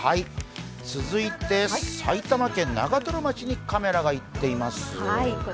続いて、埼玉県長瀞町にカメラが行っています。